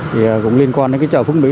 thì cũng liên quan đến chợ phước mỹ